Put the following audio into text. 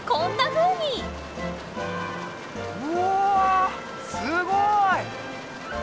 うわすごい。